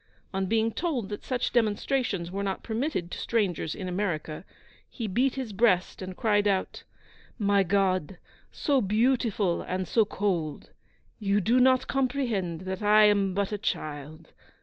On being told that such demonstrations were not permitted to strangers in America, he beat his breast and cried out, 'My God, so beautiful and so cold! You do not comprehend that I am but a child.